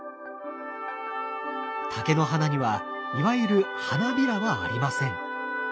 竹の花にはいわゆる花びらはありません。